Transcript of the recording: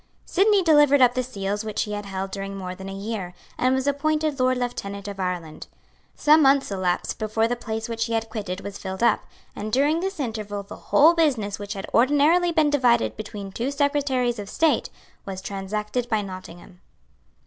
Sidney delivered up the seals which he had held during more than a year, and was appointed Lord Lieutenant of Ireland. Some months elapsed before the place which he had quitted was filled up; and during this interval the whole business which had ordinarily been divided between two Secretaries of State was transacted by Nottingham.